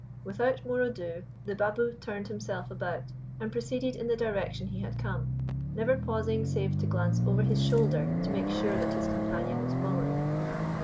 Without more ado the Babu turned himself about and proceeded in the direction he had come, never pausing save to glance over his shoulder to make sure that his companion was following.